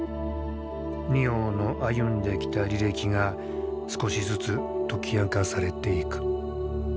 仁王の歩んできた履歴が少しずつ解き明かされていく。